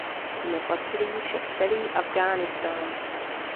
Nepatřil jí však celý Afghánistán.